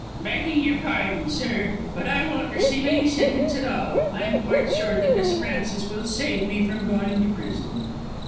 "Begging your pardon, sir, but I won't receive any sentence at all. I am quite sure that Miss Frances will save me from going to prison."